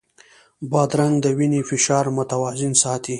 بادرنګ د وینې فشار متوازن ساتي.